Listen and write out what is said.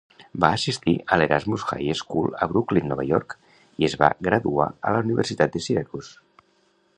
Va assistir a l'Erasmus High School a Brooklyn, Nova York i es va graduar a la Universitat de Syracuse.